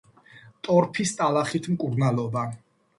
ტორფის ტალახით მკურნალობა.